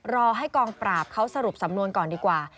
รอให้กองปราบเขาสรุปสำนวนก่อนดีกว่า